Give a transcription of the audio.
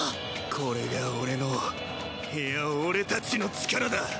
これが俺のいや俺たちの力だ。